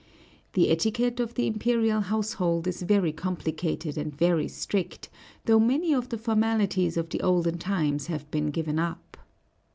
The etiquette of the imperial household is very complicated and very strict, though many of the formalities of the olden times have been given up.